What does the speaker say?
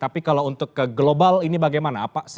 tapi kalau untuk ke global ini bagaimana